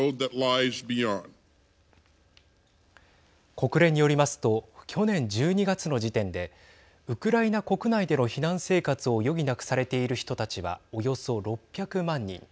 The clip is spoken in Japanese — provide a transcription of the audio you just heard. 国連によりますと去年１２月の時点でウクライナ国内での避難生活を余儀なくされている人たちはおよそ６００万人。